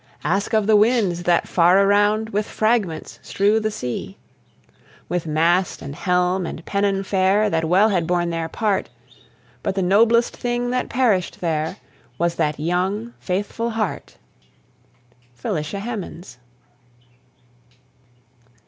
Ask of the winds that far around With fragments strew the sea; With mast, and helm, and pennon fair. That well had borne their part But the noblest thing that perished there Was that young, faithful heart. FELICIA HEMANS.